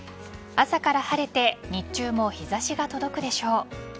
朝から晴れて日中も日差しが届くでしょう。